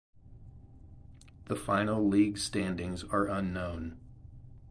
The final league standings are unknown.